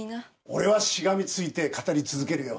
俺はしがみついて語り続けるよ。